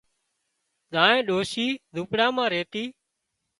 زانئينَ ڏوشِي زونپڙا مان ريتي